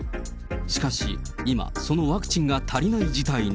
しかし今、そのワクチンが足りない事態に。